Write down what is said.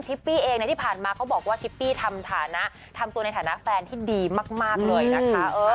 ปี้เองที่ผ่านมาเขาบอกว่าชิปปี้ทำฐานะทำตัวในฐานะแฟนที่ดีมากเลยนะคะ